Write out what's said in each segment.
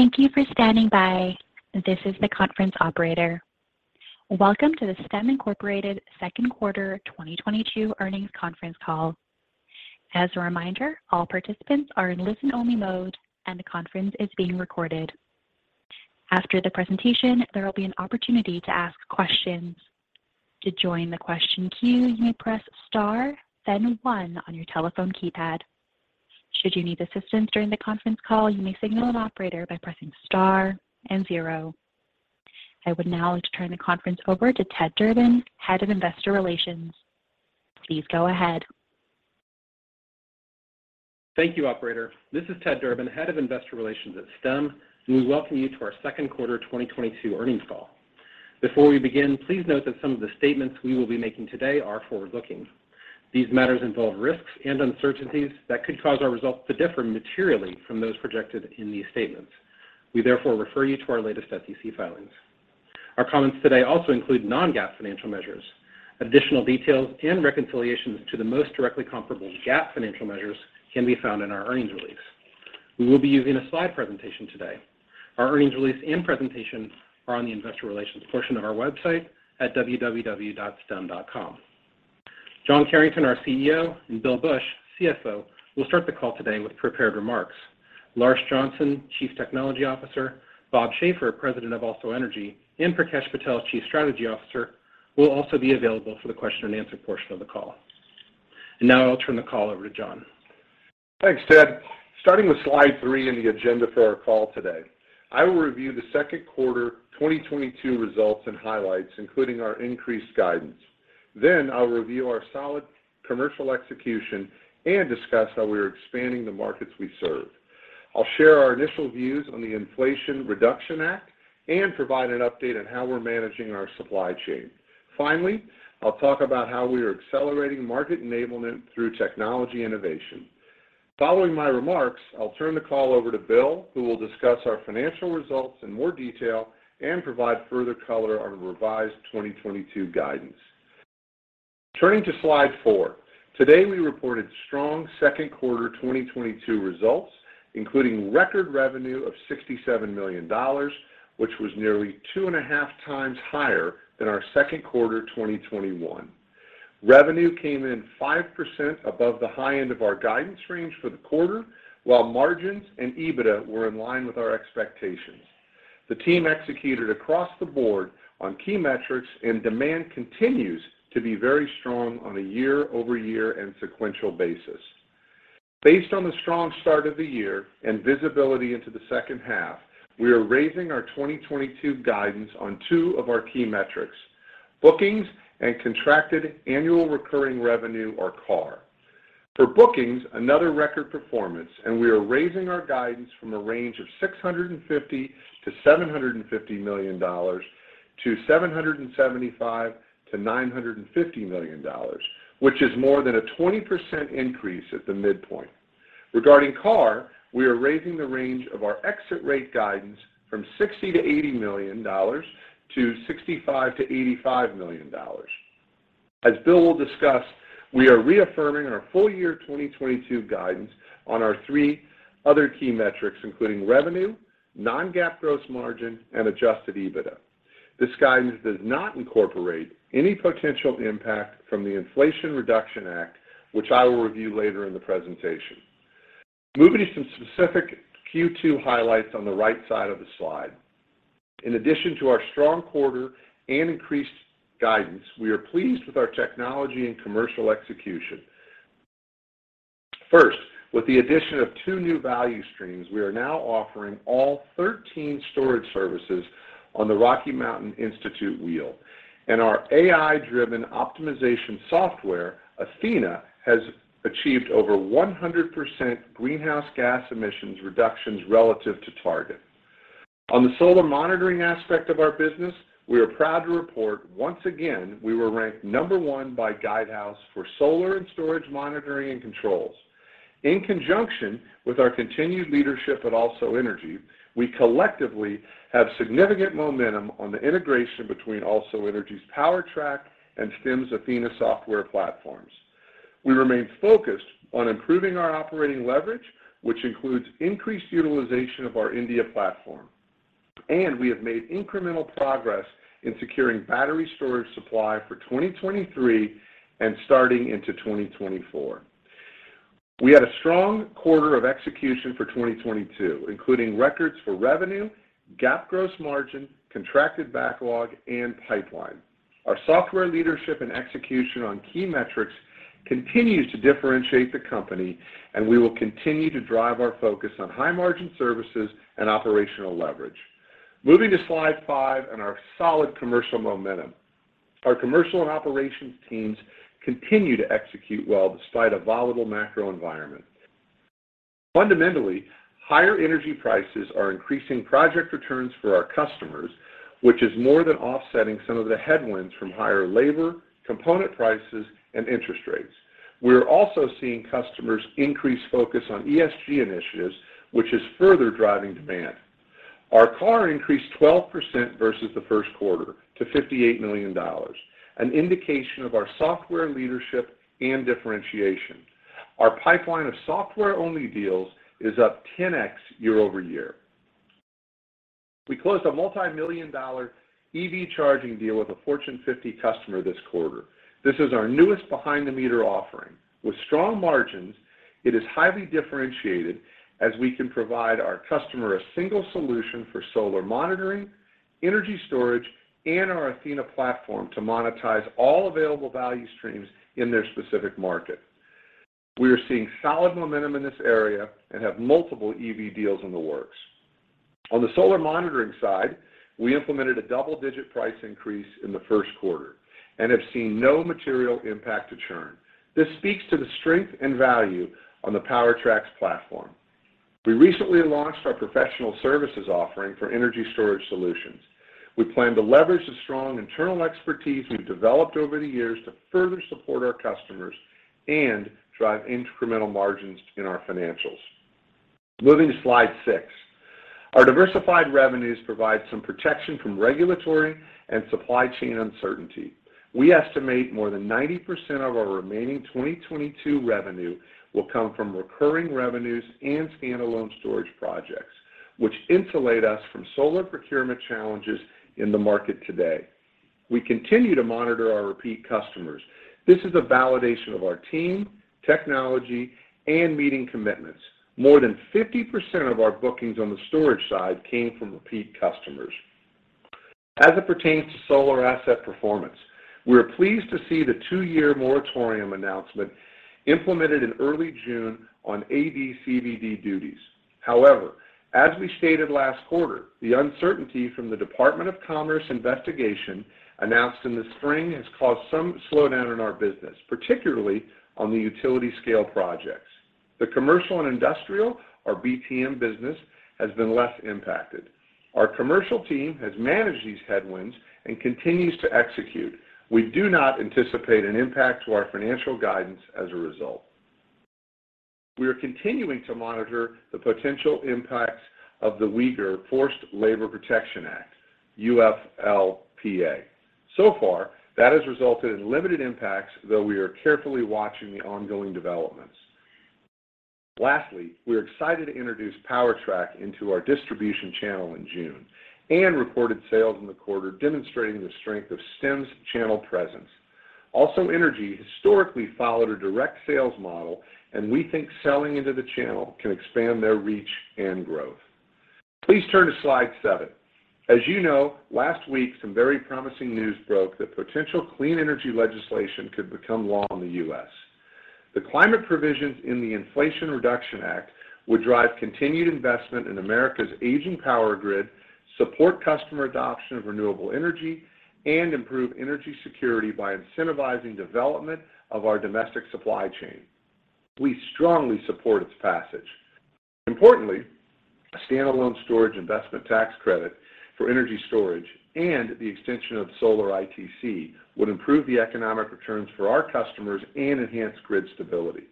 Thank you for standing by. This is the conference operator. Welcome to the Stem, Inc. second quarter 2022 earnings conference call. As a reminder, all participants are in listen-only mode, and the conference is being recorded. After the presentation, there will be an opportunity to ask questions. To join the question queue, you may press star, then one on your telephone keypad. Should you need assistance during the conference call, you may signal an operator by pressing star and zero. I would now like to turn the conference over to Ted Durbin, Head of Investor Relations. Please go ahead. Thank you, operator. This is Ted Durbin, Head of Investor Relations at Stem, and we welcome you to our second quarter 2022 earnings call. Before we begin, please note that some of the statements we will be making today are forward-looking. These matters involve risks and uncertainties that could cause our results to differ materially from those projected in these statements. We therefore refer you to our latest SEC filings. Our comments today also include non-GAAP financial measures. Additional details and reconciliations to the most directly comparable GAAP financial measures can be found in our earnings release. We will be using a slide presentation today. Our earnings release and presentations are on the investor relations portion of our website at www.stem.com. John Carrington, our CEO, and Bill Bush, CFO, will start the call today with prepared remarks. Lars Johnson, Chief Technology Officer, Robert Schaefer, President of AlsoEnergy, and Prakash Patel, Chief Strategy Officer, will also be available for the question and answer portion of the call. Now I'll turn the call over to John. Thanks, Ted. Starting with Slide 3 in the agenda for our call today, I will review the second quarter 2022 results and highlights, including our increased guidance. I'll review our solid commercial execution and discuss how we are expanding the markets we serve. I'll share our initial views on the Inflation Reduction Act and provide an update on how we're managing our supply chain. I'll talk about how we are accelerating market enablement through technology innovation. Following my remarks, I'll turn the call over to Bill, who will discuss our financial results in more detail and provide further color on revised 2022 guidance. Turning to Slide 4. Today, we reported strong second quarter 2022 results, including record revenue of $67 million, which was nearly two and a half times higher than our second quarter 2021. Revenue came in 5% above the high end of our guidance range for the quarter, while margins and EBITDA were in line with our expectations. The team executed across the board on key metrics, and demand continues to be very strong on a year-over-year and sequential basis. Based on the strong start of the year and visibility into the second half, we are raising our 2022 guidance on two of our key metrics, bookings and contracted annual recurring revenue or CARR. For bookings, another record performance, and we are raising our guidance from a range of $650 million-$750 million to $775 million-$950 million, which is more than a 20% increase at the midpoint. Regarding CARR, we are raising the range of our exit rate guidance from $60-$80 million to $65-$85 million. As Bill will discuss, we are reaffirming our full-year 2022 guidance on our three other key metrics, including revenue, non-GAAP gross margin, and Adjusted EBITDA. This guidance does not incorporate any potential impact from the Inflation Reduction Act, which I will review later in the presentation. Moving to some specific Q2 highlights on the right side of the slide. In addition to our strong quarter and increased guidance, we are pleased with our technology and commercial execution. First, with the addition of two new value streams, we are now offering all 13 storage services on the Rocky Mountain Institute wheel. Our AI-driven optimization software, Athena, has achieved over 100% greenhouse gas emissions reductions relative to target. On the solar monitoring aspect of our business, we are proud to report once again we were ranked number one by Guidehouse for solar and storage monitoring and controls. In conjunction with our continued leadership at AlsoEnergy, we collectively have significant momentum on the integration between AlsoEnergy's PowerTrack and Stem's Athena software platforms. We remain focused on improving our operating leverage, which includes increased utilization of our India platform. We have made incremental progress in securing battery storage supply for 2023 and starting into 2024. We had a strong quarter of execution for 2022, including records for revenue, GAAP gross margin, contracted backlog, and pipeline. Our software leadership and execution on key metrics continues to differentiate the company, and we will continue to drive our focus on high-margin services and operational leverage. Moving to Slide 5 and our solid commercial momentum. Our commercial and operations teams continue to execute well despite a volatile macro environment. Fundamentally, higher energy prices are increasing project returns for our customers, which is more than offsetting some of the headwinds from higher labor, component prices, and interest rates. We're also seeing customers increase focus on ESG initiatives, which is further driving demand. Our CARR increased 12% versus the first quarter to $58 million, an indication of our software leadership and differentiation. Our pipeline of software-only deals is up 10x year-over-year. We closed a multimillion-dollar EV charging deal with a Fortune 50 customer this quarter. This is our newest behind the meter offering. With strong margins, it is highly differentiated as we can provide our customer a single solution for solar monitoring, energy storage, and our Athena platform to monetize all available value streams in their specific market. We are seeing solid momentum in this area and have multiple EV deals in the works. On the solar monitoring side, we implemented a double-digit price increase in the first quarter and have seen no material impact to churn. This speaks to the strength and value on the PowerTrack platform. We recently launched our professional services offering for energy storage solutions. We plan to leverage the strong internal expertise we've developed over the years to further support our customers and drive incremental margins in our financials. Moving to Slide 6. Our diversified revenues provide some protection from regulatory and supply chain uncertainty. We estimate more than 90% of our remaining 2022 revenue will come from recurring revenues and standalone storage projects, which insulate us from solar procurement challenges in the market today. We continue to monitor our repeat customers. This is a validation of our team, technology, and meeting commitments. More than 50% of our bookings on the storage side came from repeat customers. As it pertains to solar asset performance, we are pleased to see the two-year moratorium announcement implemented in early June on AD/CVD duties. However, as we stated last quarter, the uncertainty from the Department of Commerce investigation announced in the spring has caused some slowdown in our business, particularly on the utility scale projects. The commercial and industrial, our BTM business, has been less impacted. Our commercial team has managed these headwinds and continues to execute. We do not anticipate an impact to our financial guidance as a result. We are continuing to monitor the potential impacts of the Uyghur Forced Labor Prevention Act, UFLPA. So far, that has resulted in limited impacts, though we are carefully watching the ongoing developments. Lastly, we're excited to introduce PowerTrack into our distribution channel in June and reported sales in the quarter demonstrating the strength of Stem's channel presence. AlsoEnergy historically followed a direct sales model, and we think selling into the channel can expand their reach and growth. Please turn to Slide 7. As you know, last week, some very promising news broke that potential clean energy legislation could become law in the U.S. The climate provisions in the Inflation Reduction Act would drive continued investment in America's aging power grid, support customer adoption of renewable energy, and improve energy security by incentivizing development of our domestic supply chain. We strongly support its passage. Importantly, a stand-alone storage investment tax credit for energy storage and the extension of solar ITC would improve the economic returns for our customers and enhance grid stability.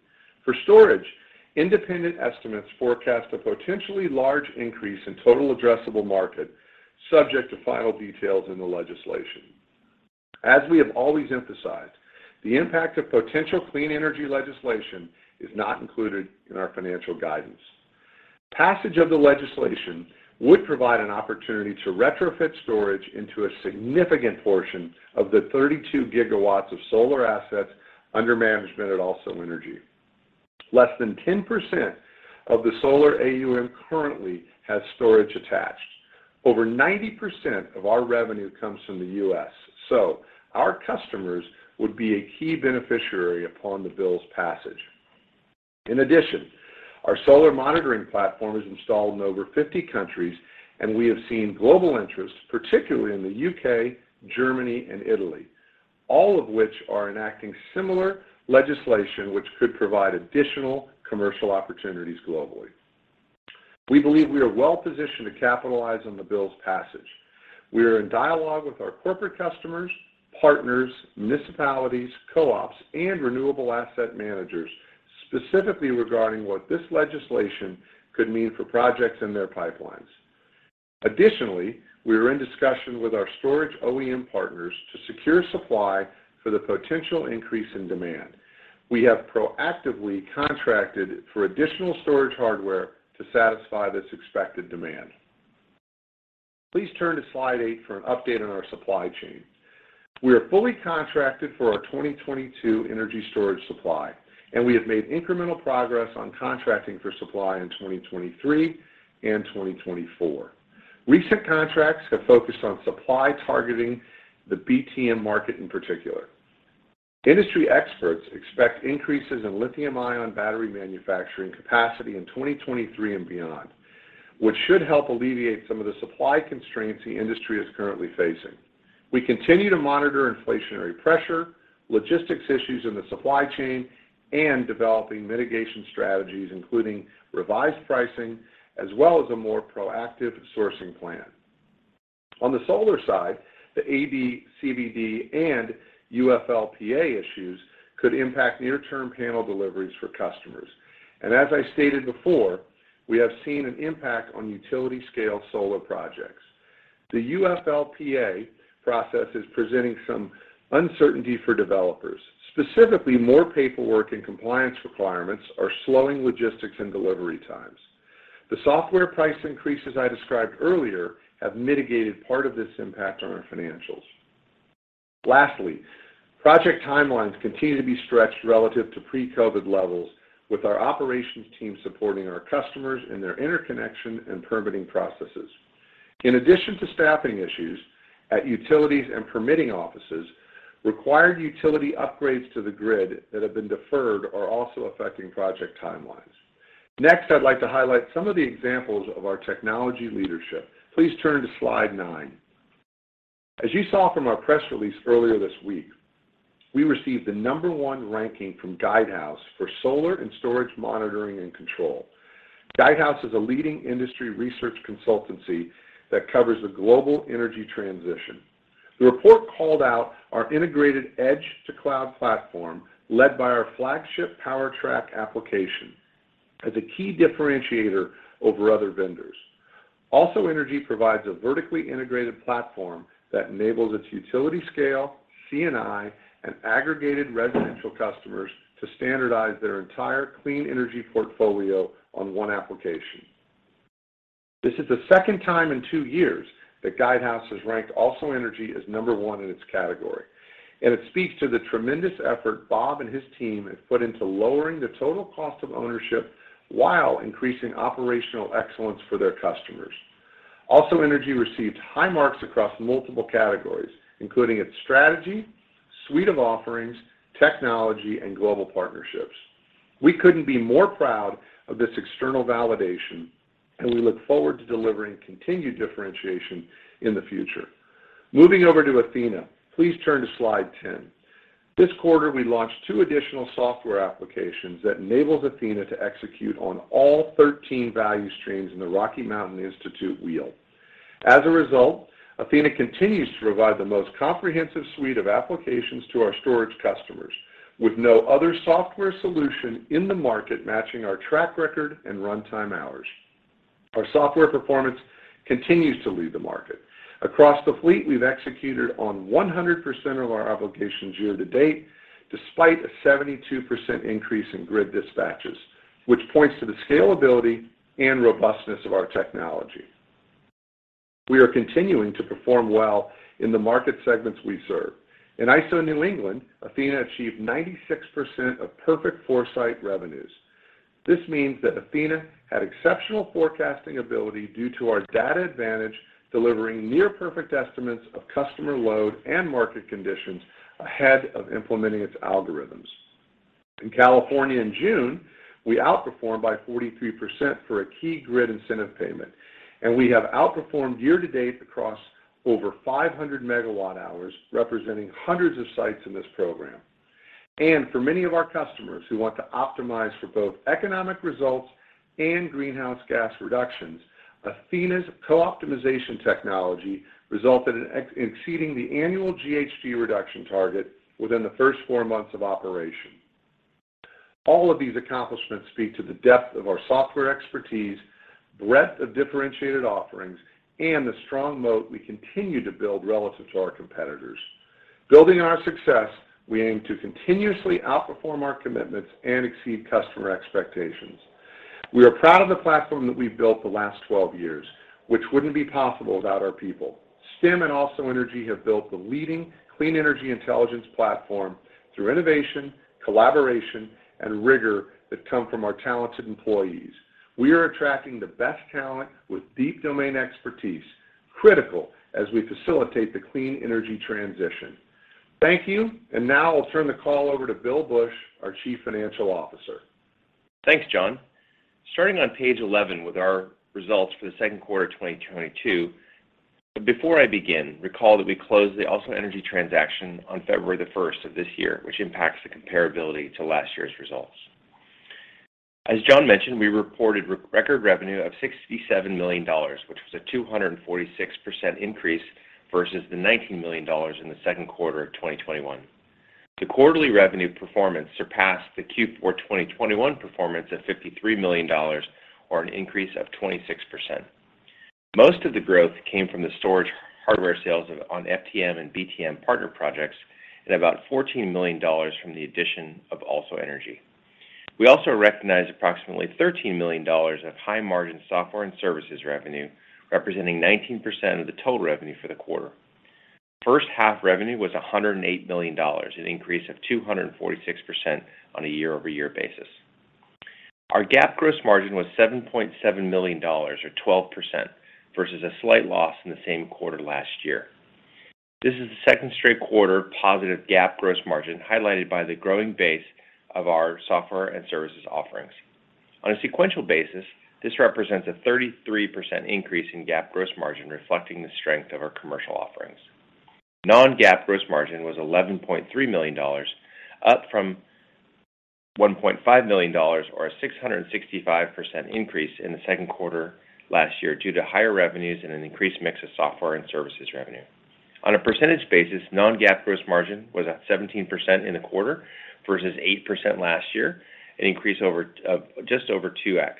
For storage, independent estimates forecast a potentially large increase in total addressable market, subject to final details in the legislation. As we have always emphasized, the impact of potential clean energy legislation is not included in our financial guidance. Passage of the legislation would provide an opportunity to retrofit storage into a significant portion of the 32 GW of solar assets under management at AlsoEnergy. Less than 10% of the solar AUM currently has storage attached. Over 90% of our revenue comes from the U.S., so our customers would be a key beneficiary upon the bill's passage. In addition, our solar monitoring platform is installed in over 50 countries, and we have seen global interest, particularly in the U.K., Germany, and Italy, all of which are enacting similar legislation which could provide additional commercial opportunities globally. We believe we are well-positioned to capitalize on the bill's passage. We are in dialogue with our corporate customers, partners, municipalities, co-ops, and renewable asset managers, specifically regarding what this legislation could mean for projects in their pipelines. Additionally, we are in discussion with our storage OEM partners to secure supply for the potential increase in demand. We have proactively contracted for additional storage hardware to satisfy this expected demand. Please turn to Slide 8 for an update on our supply chain. We are fully contracted for our 2022 energy storage supply, and we have made incremental progress on contracting for supply in 2023 and 2024. Recent contracts have focused on supply targeting the BTM market in particular. Industry experts expect increases in lithium-ion battery manufacturing capacity in 2023 and beyond, which should help alleviate some of the supply constraints the industry is currently facing. We continue to monitor inflationary pressure, logistics issues in the supply chain, and developing mitigation strategies, including revised pricing as well as a more proactive sourcing plan. On the solar side, the AD/CVD and UFLPA issues could impact near term panel deliveries for customers. As I stated before, we have seen an impact on utility scale solar projects. The UFLPA process is presenting some uncertainty for developers. Specifically, more paperwork and compliance requirements are slowing logistics and delivery times. The software price increases I described earlier have mitigated part of this impact on our financials. Lastly, project timelines continue to be stretched relative to pre-COVID levels, with our operations team supporting our customers in their interconnection and permitting processes. In addition to staffing issues at utilities and permitting offices, required utility upgrades to the grid that have been deferred are also affecting project timelines. Next, I'd like to highlight some of the examples of our technology leadership. Please turn to Slide 9. As you saw from our press release earlier this week, we received the No. one ranking from Guidehouse for solar and storage monitoring and control. Guidehouse is a leading industry research consultancy that covers the global energy transition. The report called out our integrated edge-to-cloud platform, led by our flagship PowerTrack Application, as a key differentiator over other vendors. AlsoEnergy provides a vertically integrated platform that enables its utility scale, C&I, and aggregated residential customers to standardize their entire clean energy portfolio on one application. This is the second time in two years that Guidehouse has ranked AlsoEnergy as No. one in its category. It speaks to the tremendous effort Bob and his team have put into lowering the total cost of ownership while increasing operational excellence for their customers. AlsoEnergy received high marks across multiple categories, including its strategy, suite of offerings, technology, and global partnerships. We couldn't be more proud of this external validation, and we look forward to delivering continued differentiation in the future. Moving over to Athena, please turn to Slide 10. This quarter, we launched two additional software applications that enables Athena to execute on all 13 value streams in the Rocky Mountain Institute wheel. As a result, Athena continues to provide the most comprehensive suite of applications to our storage customers, with no other software solution in the market matching our track record and runtime hours. Our software performance continues to lead the market. Across the fleet, we've executed on 100% of our obligations year-to-date, despite a 72% increase in grid dispatches, which points to the scalability and robustness of our technology. We are continuing to perform well in the market segments we serve. In ISO New England, Athena achieved 96% of perfect foresight revenues. This means that Athena had exceptional forecasting ability due to our data advantage delivering near-perfect estimates of customer load and market conditions ahead of implementing its algorithms. In California in June, we outperformed by 43% for a key grid incentive payment, and we have outperformed year-to-date across over 500 MWh, representing hundreds of sites in this program. For many of our customers who want to optimize for both economic results and greenhouse gas reductions, Athena's co-optimization technology resulted in exceeding the annual GHG reduction target within the first four months of operation. All of these accomplishments speak to the depth of our software expertise, breadth of differentiated offerings, and the strong moat we continue to build relative to our competitors. Building on our success, we aim to continuously outperform our commitments and exceed customer expectations. We are proud of the platform that we've built the last 12 years, which wouldn't be possible without our people. Stem and AlsoEnergy have built the leading clean energy intelligence platform through innovation, collaboration, and rigor that come from our talented employees. We are attracting the best talent with deep domain expertise, critical as we facilitate the clean energy transition. Thank you, and now I'll turn the call over to Bill Bush, our Chief Financial Officer. Thanks, John. Starting on page 11 with our results for the second quarter of 2022. Before I begin, recall that we closed the AlsoEnergy transaction on February 1 of this year, which impacts the comparability to last year's results. As John mentioned, we reported record revenue of $67 million, which was a 246% increase versus the $19 million in the second quarter of 2021. The quarterly revenue performance surpassed the Q4 2021 performance at $53 million, or an increase of 26%. Most of the growth came from the storage hardware sales on FTM and BTM partner projects and about $14 million from the addition of AlsoEnergy. We also recognized approximately $13 million of high-margin software and services revenue, representing 19% of the total revenue for the quarter. First-half revenue was $108 million, an increase of 246% on a year-over-year basis. Our GAAP gross margin was $7.7 million, or 12%, versus a slight loss in the same quarter last year. This is the second straight quarter positive GAAP gross margin, highlighted by the growing base of our software and services offerings. On a sequential basis, this represents a 33% increase in GAAP gross margin, reflecting the strength of our commercial offerings. Non-GAAP gross margin was $11.3 million, up from $1.5 million, or a 665% increase in the second quarter last year due to higher revenues and an increased mix of software and services revenue. On a percentage basis, non-GAAP gross margin was at 17% in the quarter versus 8% last year, an increase of just over 2x.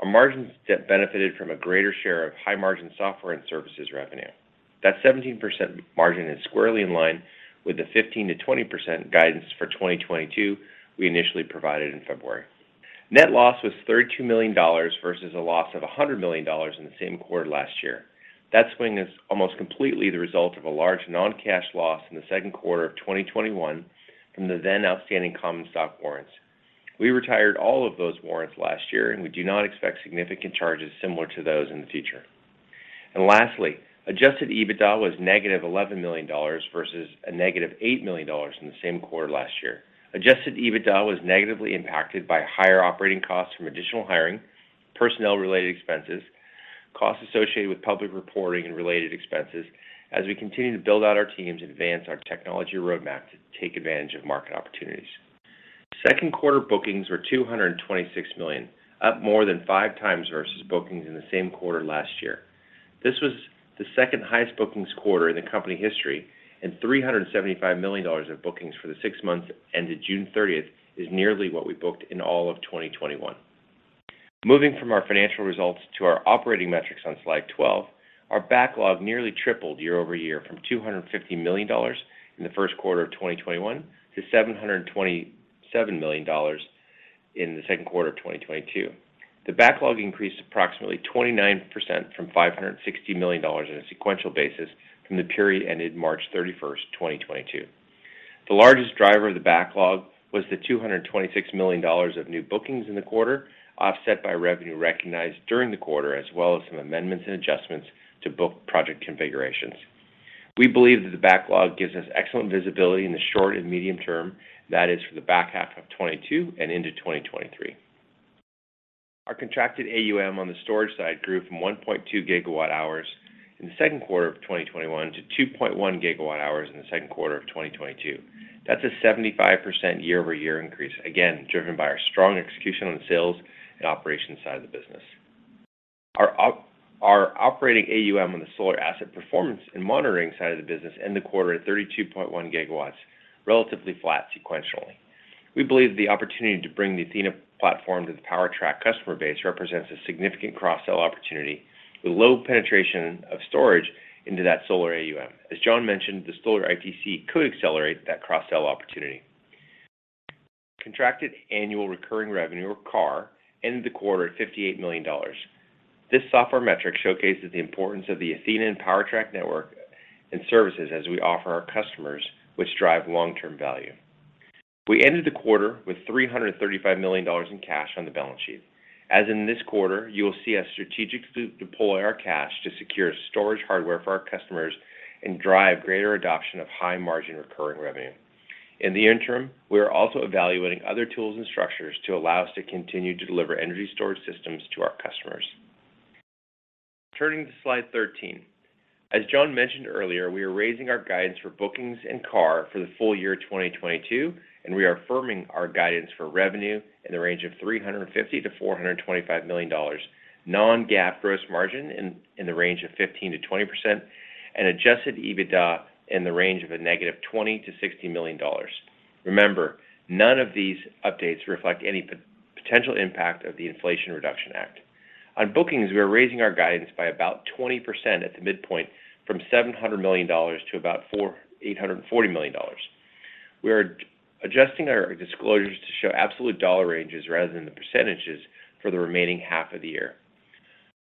Our margins that benefited from a greater share of high-margin software and services revenue. That 17% margin is squarely in line with the 15%-20% guidance for 2022 we initially provided in February. Net loss was $32 million versus a loss of $100 million in the same quarter last year. That swing is almost completely the result of a large non-cash loss in the second quarter of 2021 from the then outstanding common stock warrants. We retired all of those warrants last year, and we do not expect significant charges similar to those in the future. Lastly, Adjusted EBITDA was negative $11 million versus a negative $8 million in the same quarter last year. Adjusted EBITDA was negatively impacted by higher operating costs from additional hiring, personnel related expenses, costs associated with public reporting and related expenses as we continue to build out our teams and advance our technology roadmap to take advantage of market opportunities. Second quarter bookings were $226 million, up more than 5x versus bookings in the same quarter last year. This was the second highest bookings quarter in the company history, and $375 million of bookings for the six months ended June 30 is nearly what we booked in all of 2021. Moving from our financial results to our operating metrics on Slide 12. Our backlog nearly tripled year-over-year from $250 million in the first quarter of 2021 to $727 million in the second quarter of 2022. The backlog increased approximately 29% from $560 million on a sequential basis from the period ended March 31, 2022. The largest driver of the backlog was the $226 million of new bookings in the quarter, offset by revenue recognized during the quarter, as well as some amendments and adjustments to book project configurations. We believe that the backlog gives us excellent visibility in the short and medium term, that is, for the back half of 2022 and into 2023. Our contracted AUM on the storage side grew from 1.2 GW hours in the second quarter of 2021 to 2.1 GW hours in the second quarter of 2022. That's a 75% year-over-year increase, again, driven by our strong execution on the sales and operations side of the business. Our operating AUM on the solar asset performance and monitoring side of the business ended the quarter at 32.1 GW, relatively flat sequentially. We believe the opportunity to bring the Athena platform to the PowerTrack customer base represents a significant cross-sell opportunity with low penetration of storage into that solar AUM. As John mentioned, the solar ITC could accelerate that cross-sell opportunity. Contracted annual recurring revenue, or CARR, ended the quarter at $58 million. This software metric showcases the importance of the Athena and PowerTrack network and services as we offer our customers, which drive long-term value. We ended the quarter with $335 million in cash on the balance sheet. As in this quarter, you will see us strategically deploy our cash to secure storage hardware for our customers and drive greater adoption of high-margin recurring revenue. In the interim, we are also evaluating other tools and structures to allow us to continue to deliver energy storage systems to our customers. Turning to Slide 13. As John mentioned earlier, we are raising our guidance for bookings and CARR for the full-year 2022, and we are affirming our guidance for revenue in the range of $350 million-$425 million, non-GAAP gross margin in the range of 15%-20%, and Adjusted EBITDA in the range of -$20 million-$60 million. Remember, none of these updates reflect any potential impact of the Inflation Reduction Act. On bookings, we are raising our guidance by about 20% at the midpoint from $700 million to about $840 million. We are adjusting our disclosures to show absolute dollar ranges rather than the percentages for the remaining half of the year.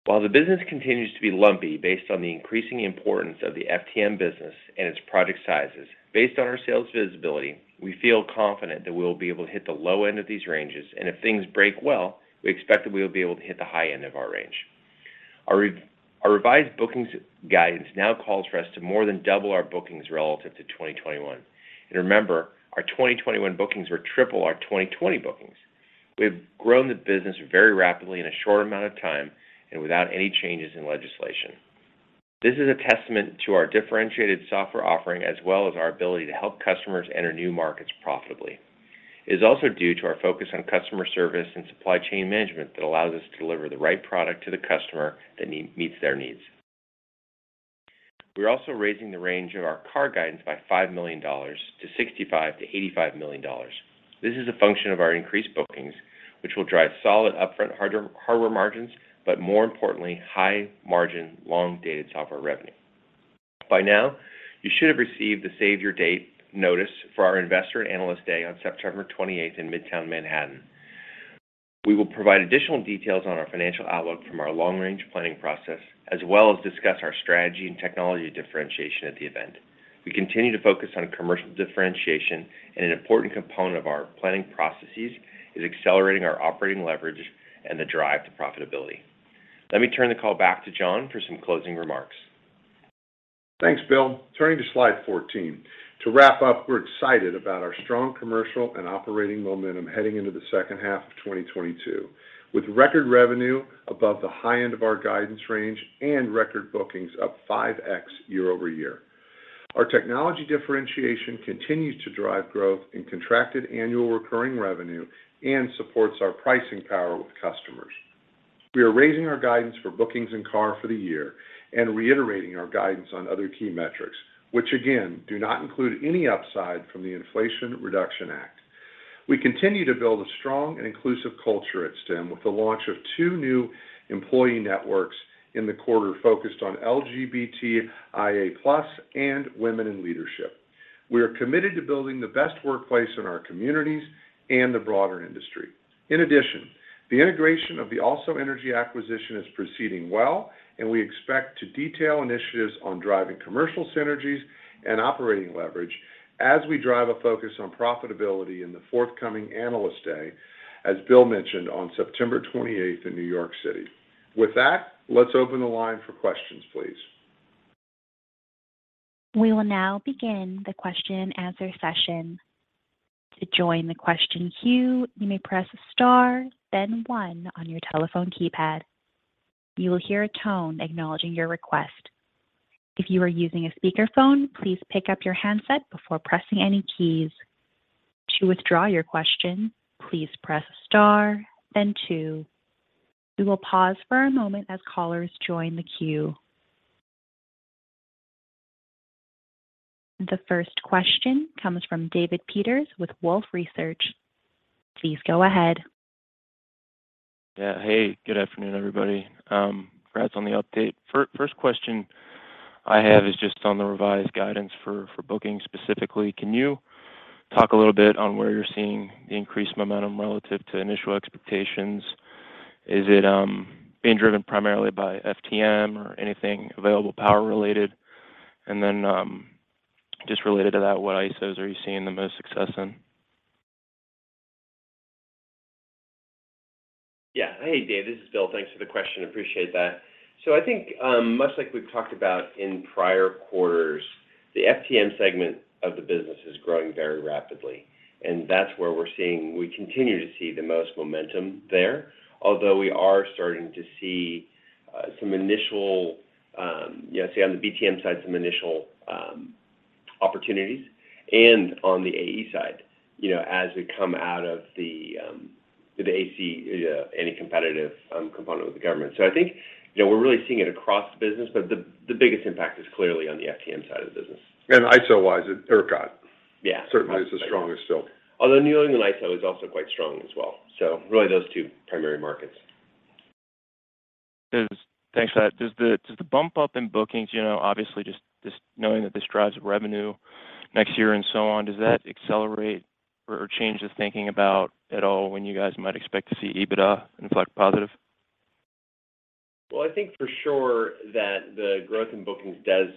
While the business continues to be lumpy based on the increasing importance of the FTM business and its project sizes. Based on our sales visibility, we feel confident that we will be able to hit the low end of these ranges, and if things break well, we expect that we will be able to hit the high end of our range. Our revised bookings guidance now calls for us to more than double our bookings relative to 2021. Remember, our 2021 bookings were triple our 2020 bookings. We have grown the business very rapidly in a short amount of time and without any changes in legislation. This is a testament to our differentiated software offering, as well as our ability to help customers enter new markets profitably. It is also due to our focus on customer service and supply chain management that allows us to deliver the right product to the customer that meets their needs. We're also raising the range of our CARR guidance by $5 million-$65 million-$85 million. This is a function of our increased bookings, which will drive solid upfront hardware margins, but more importantly, high margin, long-dated software revenue. By now, you should have received the save your date notice for our Investor and Analyst Day on September twenty-eighth in Midtown Manhattan. We will provide additional details on our financial outlook from our long-range planning process, as well as discuss our strategy and technology differentiation at the event. We continue to focus on commercial differentiation, and an important component of our planning processes is accelerating our operating leverage and the drive to profitability. Let me turn the call back to John for some closing remarks. Thanks, Bill. Turning to Slide 14. To wrap up, we're excited about our strong commercial and operating momentum heading into the second half of 2022. With record revenue above the high end of our guidance range and record bookings up 5x year-over-year. Our technology differentiation continues to drive growth in contracted annual recurring revenue and supports our pricing power with customers. We are raising our guidance for bookings and CARR for the year and reiterating our guidance on other key metrics, which again, do not include any upside from the Inflation Reduction Act. We continue to build a strong and inclusive culture at Stem with the launch of two new employee networks in the quarter focused on LGBTQIA+ and women in leadership. We are committed to building the best workplace in our communities and the broader industry. In addition, the integration of the AlsoEnergy acquisition is proceeding well, and we expect to detail initiatives on driving commercial synergies and operating leverage as we drive a focus on profitability in the forthcoming Analyst Day, as Bill mentioned, on September 28th in New York City. With that, let's open the line for questions, please. We will now begin the question and answer session. To join the question queue, you may press star, then one on your telephone keypad. You will hear a tone acknowledging your request. If you are using a speakerphone, please pick up your handset before pressing any keys. To withdraw your question, please press star, then two. We will pause for a moment as callers join the queue. The first question comes from David Peters with Wolfe Research. Please go ahead. Yeah. Hey, Good afternoon, everybody. Congrats on the update. First question I have is just on the revised guidance for bookings specifically. Can you talk a little bit on where you're seeing the increased momentum relative to initial expectations? Is it being driven primarily by FTM or anything available power-related? Just related to that, what ISOs are you seeing the most success in? Yeah. Hey, Dave, this is Bill. Thanks for the question. Appreciate that. I think, much like we've talked about in prior quarters, the FTM segment of the business is growing very rapidly, and that's where we continue to see the most momentum there. Although we are starting to see some initial traction on the BTM side, some initial opportunities and on the AlsoEnergy side, you know, as we come out of the acquisition and any competitive component with the government. I think, you know, we're really seeing it across the business, but the biggest impact is clearly on the FTM side of the business. ISO-wise, ERCOT. Yeah Certainly is the strongest still. Although ISO New England is also quite strong as well. Really those two primary markets. Thanks for that. Does the bump up in bookings, you know, obviously just knowing that this drives revenue next year and so on, does that accelerate or change the thinking about at all when you guys might expect to see EBITDA inflect positive? Well, I think for sure that the growth in bookings does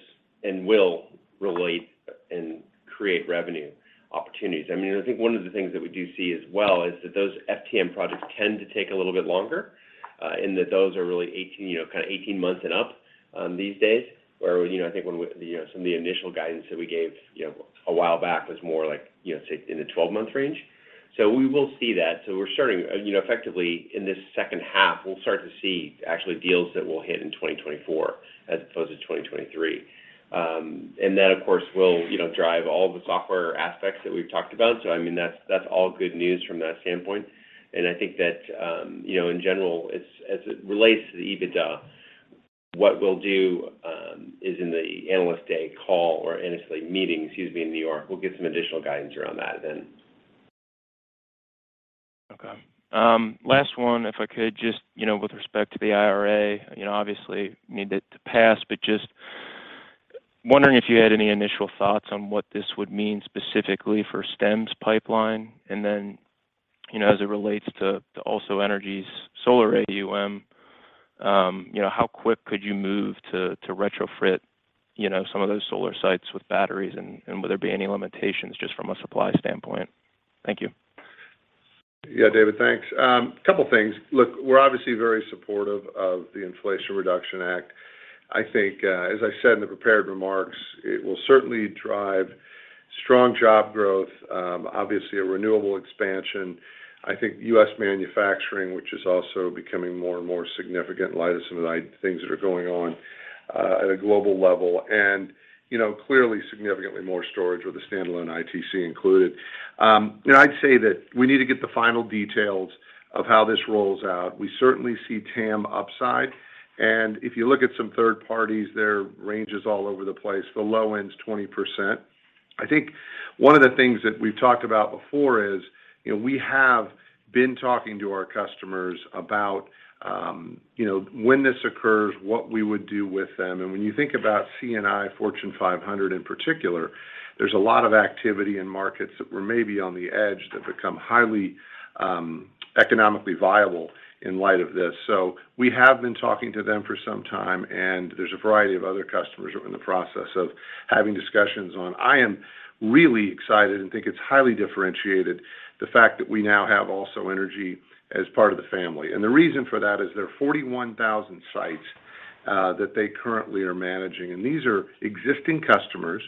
and will relate and create revenue opportunities. I mean, I think one of the things that we do see as well is that those FTM projects tend to take a little bit longer, and that those are really 18, you know, kinda 18 months and up, these days. Where, you know, I think you know, some of the initial guidance that we gave, you know, a while back was more like, you know, say in the 12-month range. We will see that. We're starting, you know, effectively in this second half, we'll start to see actually deals that we'll hit in 2024 as opposed to 2023. And that of course, will, you know, drive all the software aspects that we've talked about. I mean, that's all good news from that standpoint. I think that, you know, in general, as it relates to the EBITDA, what we'll do is in the Analyst Day call or Analyst Day meeting, excuse me, in New York, we'll give some additional guidance around that then. Okay. Last one, if I could, just, you know, with respect to the IRA, you know, obviously need it to pass, but just wondering if you had any initial thoughts on what this would mean specifically for Stem's pipeline, and then, you know, as it relates to AlsoEnergy's solar AUM, you know, how quick could you move to retrofit, you know, some of those solar sites with batteries, and would there be any limitations just from a supply standpoint? Thank you. Yeah. David, thanks. Couple things. Look, we're obviously very supportive of the Inflation Reduction Act. I think, as I said in the prepared remarks, it will certainly drive strong job growth, obviously a renewable expansion. I think U.S. manufacturing, which is also becoming more and more significant in light of some of the things that are going on, at a global level, and, you know, clearly significantly more storage with the standalone ITC included. You know, I'd say that we need to get the final details of how this rolls out. We certainly see TAM upside, and if you look at some third parties, their range is all over the place. The low end's 20%. I think one of the things that we've talked about before is, you know, we have been talking to our customers about, you know, when this occurs, what we would do with them. When you think about C&I Fortune 500 in particular, there's a lot of activity in markets that were maybe on the edge that become highly, economically viable in light of this. We have been talking to them for some time, and there's a variety of other customers who are in the process of having discussions on. I am really excited and think it's highly differentiated, the fact that we now have AlsoEnergy as part of the family. The reason for that is there are 41,000 sites that they currently are managing, and these are existing customers.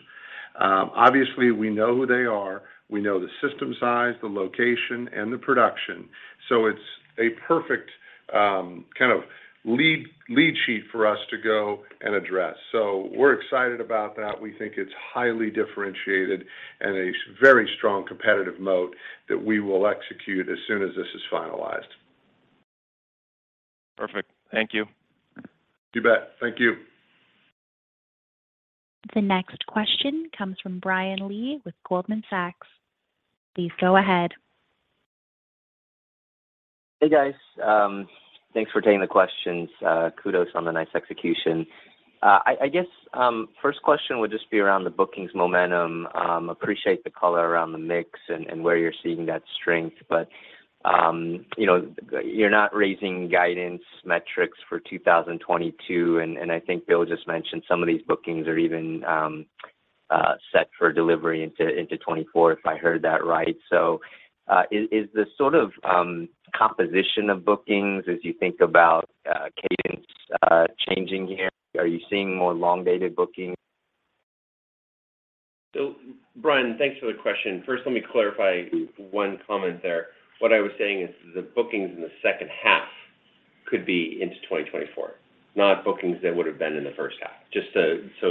Obviously, we know who they are. We know the system size, the location, and the production. It's a perfect kind of lead sheet for us to go and address. We're excited about that. We think it's highly differentiated and a very strong competitive moat that we will execute as soon as this is finalized. Perfect. Thank you. You bet. Thank you. The next question comes from Brian Lee with Goldman Sachs. Please go ahead. Hey, guys. Thanks for taking the questions. Kudos on the nice execution. I guess first question would just be around the bookings momentum. Appreciate the color around the mix and where you're seeing that strength. You know, you're not raising guidance metrics for 2022, and I think Bill just mentioned some of these bookings are even set for delivery into 2024, if I heard that right. Is the sort of composition of bookings as you think about cadence changing here? Are you seeing more long-dated bookings? Brian, thanks for the question. First, let me clarify one comment there. What I was saying is the bookings in the second half could be into 2024, not bookings that would have been in the first half, so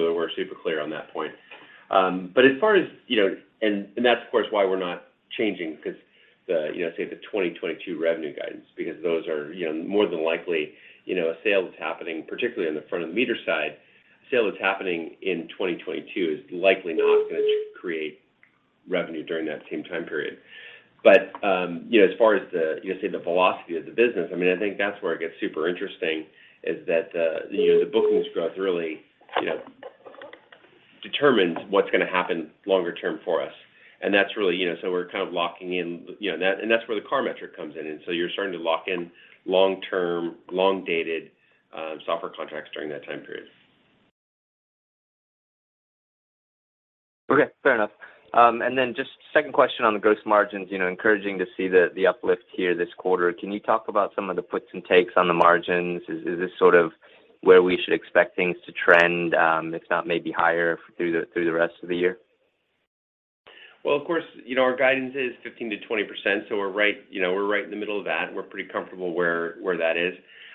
that we're super clear on that point. But as far as you know, and that's of course why we're not changing because the, you know, say the 2022 revenue guidance, because those are, you know, more than likely, you know, a sale that's happening, particularly on the front of the meter side, a sale that's happening in 2022 is likely not gonna create revenue during that same time period. You know, as far as the, you know, say the philosophy of the business, I mean, I think that's where it gets super interesting, is that, you know, the bookings growth really, you know, determines what's gonna happen longer term for us. That's really, you know, so we're kind of locking in, you know, that. That's where the CARR metric comes in. You're starting to lock in long-term, long-dated, software contracts during that time period. Okay. Fair enough. Just second question on the gross margins, you know, encouraging to see the uplift here this quarter. Can you talk about some of the puts and takes on the margins? Is this sort of where we should expect things to trend, if not maybe higher through the rest of the year? Well, of course, you know, our guidance is 15%-20%, so we're right you know in the middle of that. We're pretty comfortable where that is.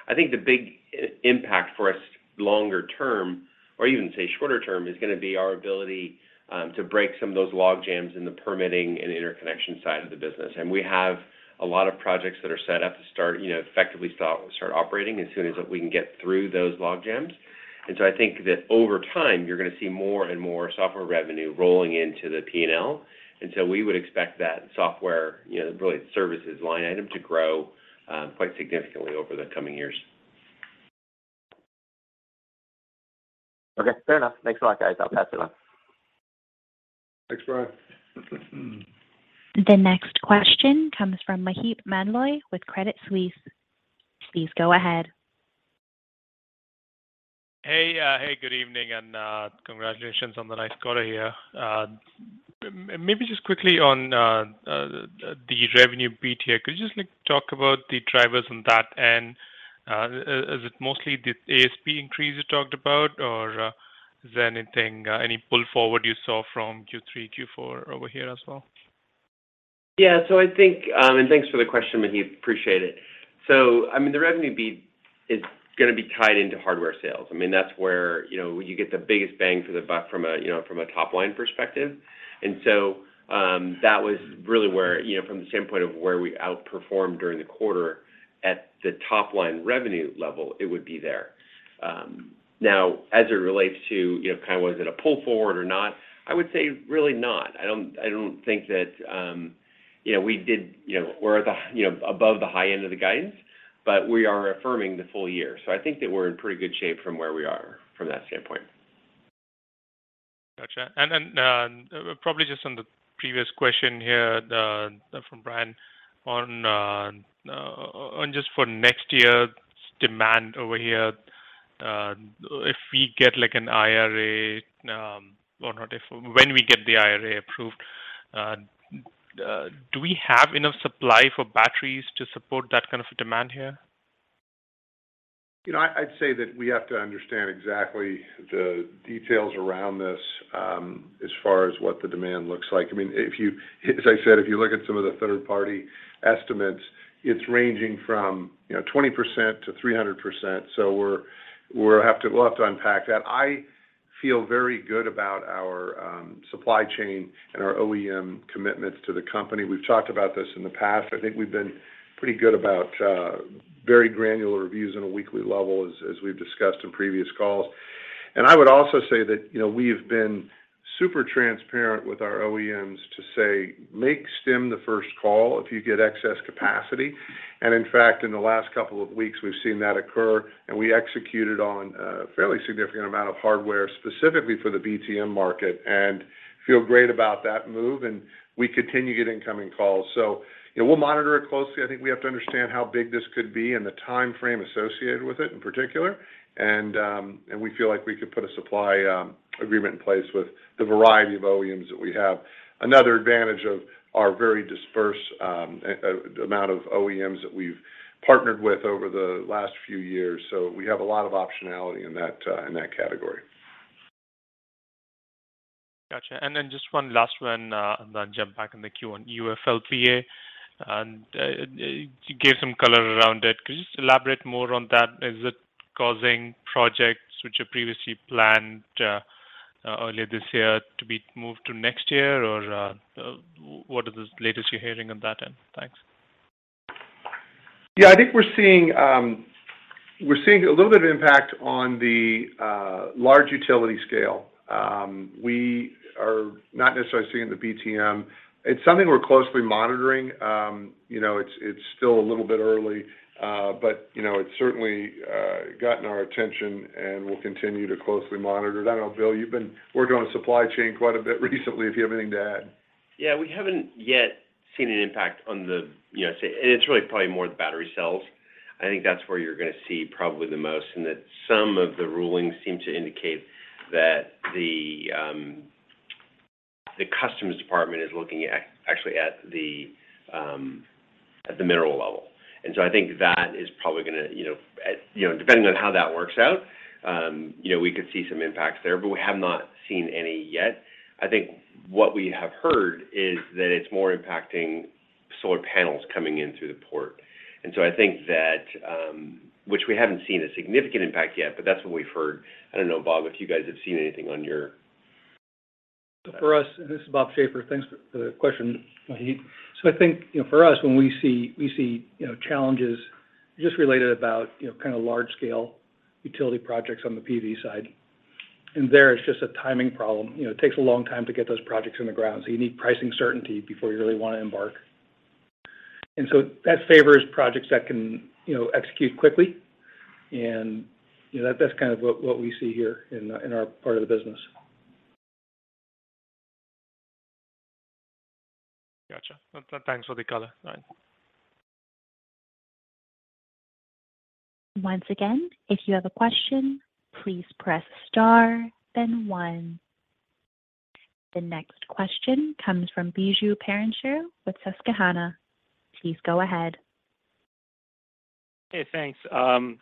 I think the big impact for us longer term, or you can say shorter term, is gonna be our ability to break some of those log jams in the permitting and interconnection side of the business. We have a lot of projects that are set up to start you know effectively operating as soon as we can get through those log jams. I think that over time, you're gonna see more and more software revenue rolling into the P&L. We would expect that software you know really services line item to grow quite significantly over the coming years. Okay. Fair enough. Thanks a lot, guys. I'll pass it on. Thanks, Brian. The next question comes from Maheep Mandloi with Credit Suisse. Please go ahead. Hey, good evening, and congratulations on the nice quarter here. Maybe just quickly on the revenue beat here. Could you just like talk about the drivers on that? Is it mostly the ASP increase you talked about, or is there any pull forward you saw from Q3, Q4 over here as well? Yeah. So I think, thanks for the question, Maheep. Appreciate it. So, I mean, the revenue beat is gonna be tied into hardware sales. I mean, that's where, you know, you get the biggest bang for the buck from a, you know, from a top line perspective. And so, that was really where, you know, from the standpoint of where we outperformed during the quarter at the top line revenue level, it would be there. Now, as it relates to, you know, kind of was it a pull forward or not? I would say really not. I don't think that, you know, we did, you know, we're at the, you know, above the high end of the guidance, but we are affirming the full-year. I think that we're in pretty good shape from where we are from that standpoint. Gotcha. Then, probably just on the previous question here, the from Brian on just for next year's demand over here, if we get like an IRA, when we get the IRA approved, do we have enough supply for batteries to support that kind of a demand here? You know, I'd say that we have to understand exactly the details around this, as far as what the demand looks like. I mean, as I said, if you look at some of the third-party estimates, it's ranging from, you know, 20%-300%. We'll have to unpack that. I feel very good about our supply chain and our OEM commitments to the company. We've talked about this in the past. I think we've been pretty good about very granular reviews on a weekly level as we've discussed in previous calls. I would also say that, you know, we've been super transparent with our OEMs to say, "Make Stem the first call if you get excess capacity." In fact, in the last couple of weeks, we've seen that occur, and we executed on a fairly significant amount of hardware specifically for the BTM market and feel great about that move, and we continue to get incoming calls. You know, we'll monitor it closely. I think we have to understand how big this could be and the timeframe associated with it in particular. We feel like we could put a supply agreement in place with the variety of OEMs that we have. Another advantage of our very dispersed amount of OEMs that we've partnered with over the last few years. We have a lot of optionality in that category. Gotcha. Just one last one, and then jump back in the queue on UFLPA. You gave some color around it. Could you just elaborate more on that? Is it causing projects which were previously planned earlier this year to be moved to next year? What is the latest you're hearing on that end? Thanks. Yeah, I think we're seeing a little bit of impact on the large utility scale. We are not necessarily seeing it in the BTM. It's something we're closely monitoring. You know, it's still a little bit early. You know, it's certainly gotten our attention, and we'll continue to closely monitor that. I don't know, Bill, you've been working on supply chain quite a bit recently. If you have anything to add. Yeah. We haven't yet seen an impact on the. You know, I'd say, and it's really probably more the battery cells. I think that's where you're gonna see probably the most, in that some of the rulings seem to indicate that the customs department is looking actually at the mineral level. I think that is probably gonna, you know, you know, depending on how that works out, you know, we could see some impacts there, but we have not seen any yet. I think what we have heard is that it's more impacting solar panels coming in through the port. I think that, which we haven't seen a significant impact yet, but that's what we've heard. I don't know, Bob, if you guys have seen anything on your- For us, this is Bob Schaefer. Thanks for the question, Maheep. I think, you know, for us, when we see, you know, challenges just related about, you know, kind of large scale utility projects on the PV side. There, it's just a timing problem. You know, it takes a long time to get those projects on the ground, so you need pricing certainty before you really want to embark. That favors projects that can, you know, execute quickly. You know, that's kind of what we see here in our part of the business. Gotcha. Thanks for the color. All right. Once again, if you have a question, please press star then one. The next question comes from Biju Perincheril with Susquehanna. Please go ahead. Hey, thanks.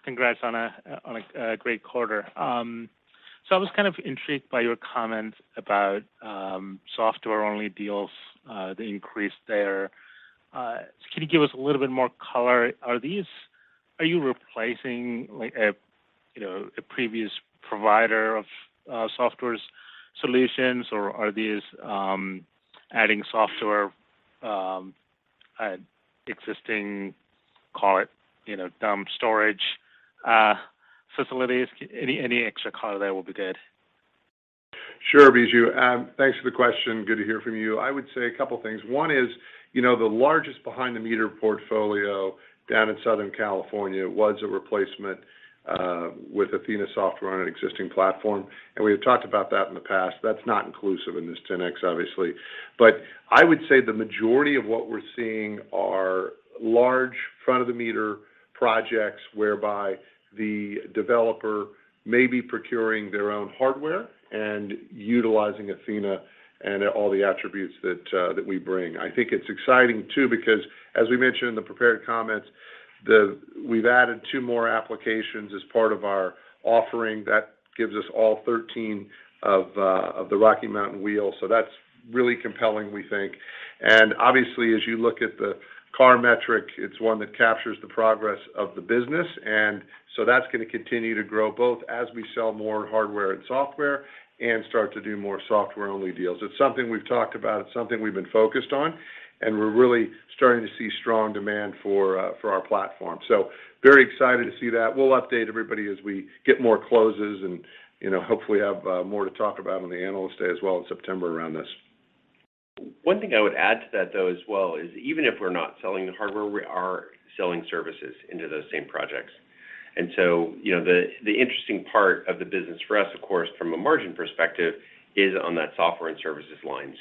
Congrats on a great quarter. I was kind of intrigued by your comment about software-only deals, the increase there. Can you give us a little bit more color? Are you replacing like a, you know, a previous provider of software solutions? Or are these adding software to existing, call it, you know, dumb storage facilities? Any extra color there will be good. Sure, Biju. Thanks for the question. Good to hear from you. I would say a couple things. One is, you know, the largest behind-the-meter portfolio down in Southern California was a replacement with Athena software on an existing platform, and we have talked about that in the past. That's not inclusive in this 10x, obviously. I would say the majority of what we're seeing are large front-of-the-meter projects whereby the developer may be procuring their own hardware and utilizing Athena and all the attributes that we bring. I think it's exciting, too, because as we mentioned in the prepared comments, we've added 2 more applications as part of our offering. That gives us all 13 of the Rocky Mountain wheel. That's really compelling, we think. Obviously, as you look at the CARR metric, it's one that captures the progress of the business. That's gonna continue to grow both as we sell more hardware and software and start to do more software-only deals. It's something we've talked about. It's something we've been focused on, and we're really starting to see strong demand for our platform. Very excited to see that. We'll update everybody as we get more closes and, you know, hopefully have, more to talk about on the Analyst Day as well in September around this. One thing I would add to that, though, as well is even if we're not selling the hardware, we are selling services into those same projects. You know, the interesting part of the business for us, of course, from a margin perspective, is on that software and services line.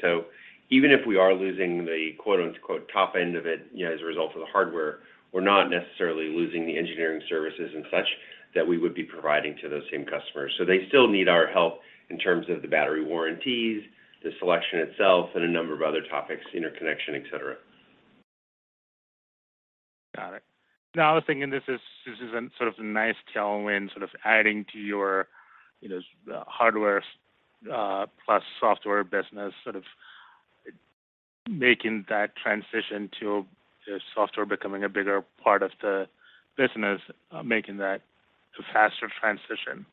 Even if we are losing the quote-unquote top end of it, you know, as a result of the hardware, we're not necessarily losing the engineering services and such that we would be providing to those same customers. They still need our help in terms of the battery warranties, the selection itself, and a number of other topics, interconnection, et cetera. Got it. No, I was thinking this is a sort of nice tailwind, sort of adding to your, you know, hardware plus software business, sort of making that transition to the software becoming a bigger part of the business, making that a faster transition.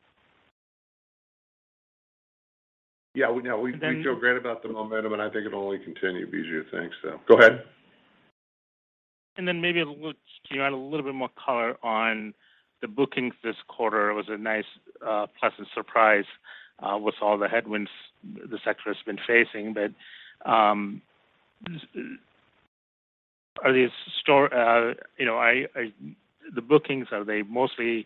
Yeah, we feel great about the momentum, and I think it'll only continue, Biju, thanks. Go ahead. Maybe can you add a little bit more color on the bookings this quarter? It was a nice, pleasant surprise with all the headwinds the sector has been facing. Are these, you know, the bookings, are they mostly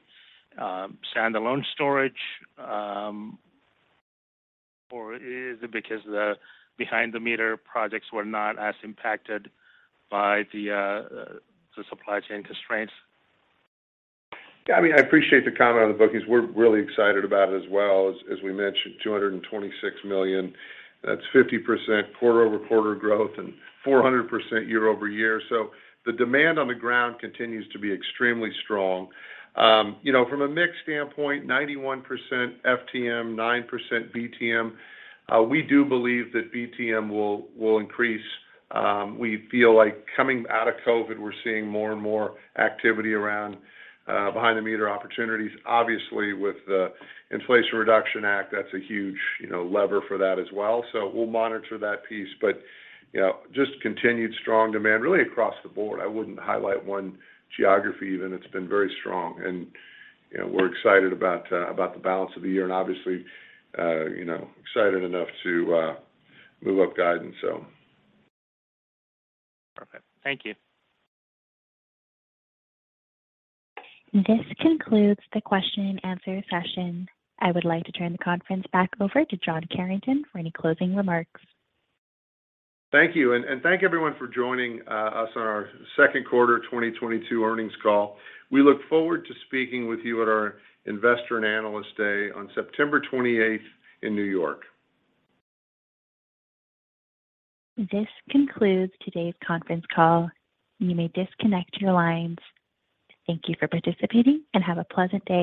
standalone storage? Or is it because the behind-the-meter projects were not as impacted by the supply chain constraints? Yeah. I mean, I appreciate the comment on the bookings. We're really excited about it as well. As we mentioned, $226 million. That's 50% quarter-over-quarter growth and 400% year-over-year. The demand on the ground continues to be extremely strong. You know, from a mix standpoint, 91% FTM, 9% BTM. We do believe that BTM will increase. We feel like coming out of COVID, we're seeing more and more activity around behind-the-meter opportunities. Obviously, with the Inflation Reduction Act, that's a huge lever for that as well. We'll monitor that piece. You know, just continued strong demand really across the board. I wouldn't highlight one geography even. It's been very strong. You know, we're excited about the balance of the year and obviously, you know, excited enough to move up guidance, so. Perfect. Thank you. This concludes the question and answer session. I would like to turn the conference back over to John Carrington for any closing remarks. Thank you. Thank everyone for joining us on our second quarter 2022 earnings call. We look forward to speaking with you at our Investor and Analyst Day on September 28th in New York. This concludes today's conference call. You may disconnect your lines. Thank you for participating, and have a pleasant day.